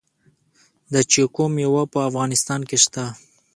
د چیکو میوه په افغانستان کې شته؟